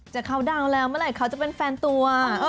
เขาดังแล้วเมื่อไหร่เขาจะเป็นแฟนตัว